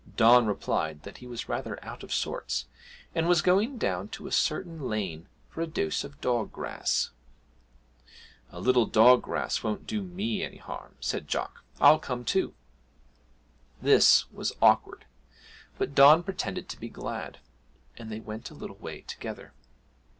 Don replied that he was rather out of sorts, and was going down to a certain lane for a dose of dog grass. 'A little dog grass won't do me any harm,' said Jock; 'I'll come too.' This was awkward, but Don pretended to be glad, and they went a little way together.